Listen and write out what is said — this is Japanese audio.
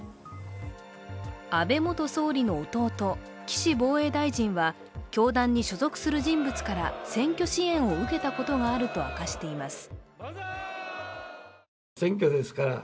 安倍元総理の弟、岸防衛大臣は教団に所属する人物から選挙支援を受けたことがあると明かしています。